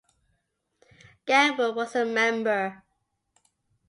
Gamble was a member.